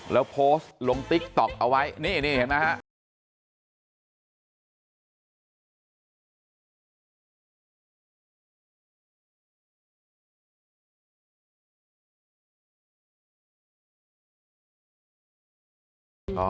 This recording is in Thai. แล้วโพสต์ลงติ๊กต๊อกเอาไว้นี่เห็นไหมฮะ